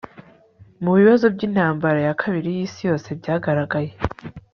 mubibazo byintambara ya kabiri yisi yose byagaragaye